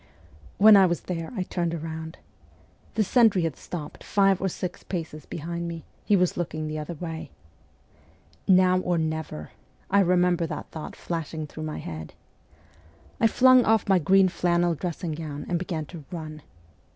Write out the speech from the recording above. When I was there I turned round. The sentry had stopped five or six paces behind me; he was looking the other way. ' Now or never !' I remember that thought flashing through my head. I flung off my green flannel dressing gown and began to run.